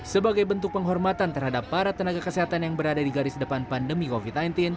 sebagai bentuk penghormatan terhadap para tenaga kesehatan yang berada di garis depan pandemi covid sembilan belas